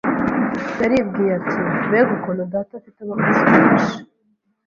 Yaribwiye ati “mbega ukuntu data afite abakozi benshi